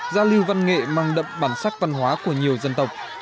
giao lưu văn nghệ mang đậm bản sắc văn hóa của nhiều dân tộc